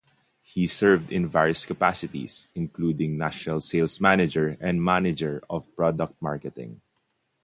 He served in various capacities including National Sales Manager and Manager of Product Marketing.